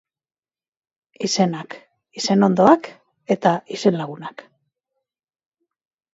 Izenak, izenondoak eta izenlagunak.